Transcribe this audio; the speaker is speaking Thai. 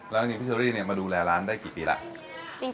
แล้วจริงพี่เชอรี่มาดูแลร้านได้กี่ปีแล้ว